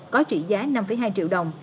có trị giá năm hai triệu đồng